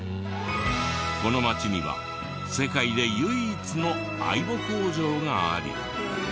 この町には世界で唯一のａｉｂｏ工場があり。